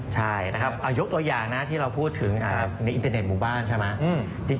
ใช่นะครับเอายกตัวอย่างนะที่เราพูดถึงในอินเตอร์เน็ตหมู่บ้านใช่ไหม